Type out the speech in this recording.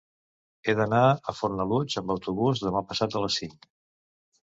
He d'anar a Fornalutx amb autobús demà passat a les cinc.